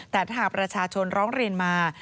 แต่ถ้าหากประชาชนร้องเรียนมา